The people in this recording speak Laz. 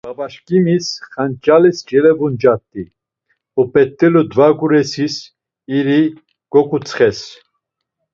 Babaşǩimis xanç̌alis celevuncat̆i, op̌et̆elu dvaguresis iri goǩutsxes.